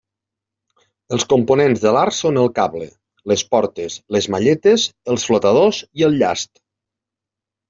Els components de l'art són el cable, les portes, les malletes, els flotadors i el llast.